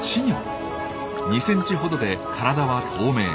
２センチほどで体は透明。